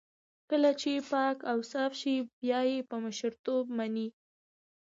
کله چې پاک اوصاف شي نو بيا يې په مشرتوب مني.